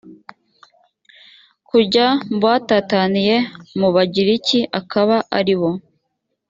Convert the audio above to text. kujya mu batataniye mu bagiriki akaba ari bo